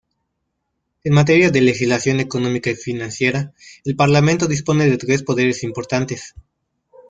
En materia de legislación económica y financiera, el Parlamento dispone de tres poderes importantes.